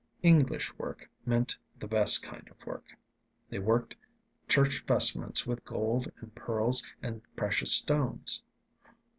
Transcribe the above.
"English" work meant the best kind of work. They worked church vestments with gold and pearls and precious stones.